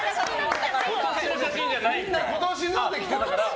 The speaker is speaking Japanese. みんな今年ので来てたから。